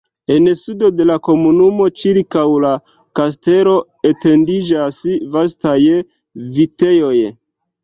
En sudo de la komunumo ĉirkaŭ la kastelo etendiĝas vastaj vitejoj.